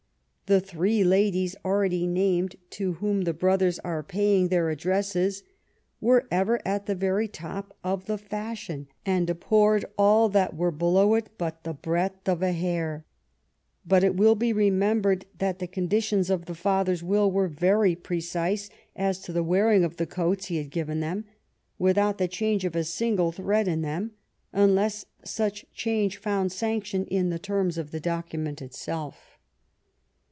The three ladies already named to whom the brothers are paying their addresses " were ever at the very top of the fashion, and abhorred all that were below it but the breadth of a hair." But it will be remembered that the conditions of the father's will were very pre cise as to the wearing of the coats he had given them, without the change of a single thread in them, unless such change found sanction in the terms of the docu ment itself.